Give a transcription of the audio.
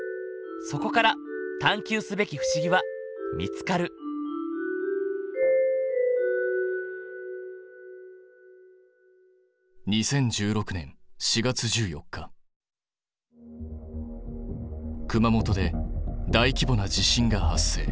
そこから探究すべき不思議は見つかる熊本で大規模な地震が発生。